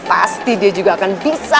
pasti dia juga akan bisa